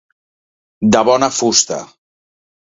De bona fusta.